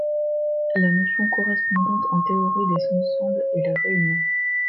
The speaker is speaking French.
La notion correspondante en théorie des ensembles est la réunion.